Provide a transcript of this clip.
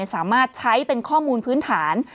สามารถใช้เป็นข้อมูลพื้นฐาน